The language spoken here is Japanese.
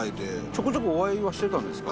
ちょこちょこお会いはしてたんですか？